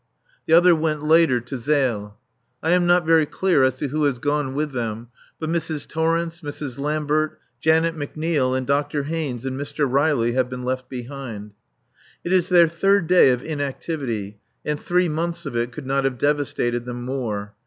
The other went, later, to Zele. I am not very clear as to who has gone with them, but Mrs. Torrence, Mrs. Lambert, Janet McNeil and Dr. Haynes and Mr. Riley have been left behind. It is their third day of inactivity, and three months of it could not have devastated them more.